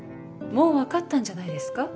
もう分かったんじゃないですか？